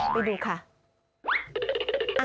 ไปดูค่ะ